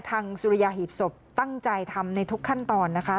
สุริยาหีบศพตั้งใจทำในทุกขั้นตอนนะคะ